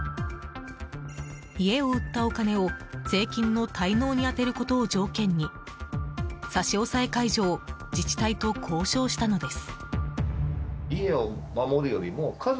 家を売ったお金を税金の滞納に充てることを条件に差し押さえ解除を自治体と交渉したのです。